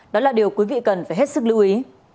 đó là điều quý vị cần phải hết sức lưu ý